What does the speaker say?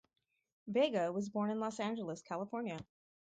Vega was born in Los Angeles, California.